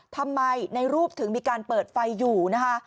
ทำไมในรูปถึงมีการเปิดไฟอยู่นะคะ